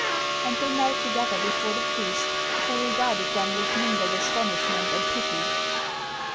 And they knelt together before the priest, who regarded them with mingled astonishment and pity.